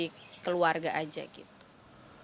rekomendasi keluarga aja gitu